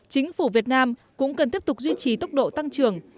chính phủ việt nam cũng cần tiếp tục duy trì tốc độ tăng trưởng